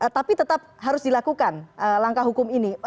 tapi tetap harus dilakukan langkah hukum ini